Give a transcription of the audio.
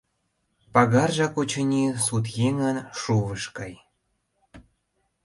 Пагаржак, очыни, сут еҥын шувыш гай!